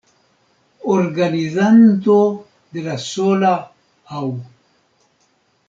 Organizanto de la sola Aŭ.